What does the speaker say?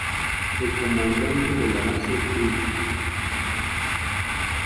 El comandante de la base Brig.